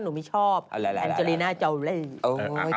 หนูไม่ชอบอังเจริน่าโจริกไอ้เนี่ย